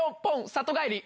里帰り！